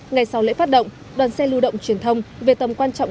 ngày sau lễ phát động đoàn xe lưu động truyền thông về tầm quan trọng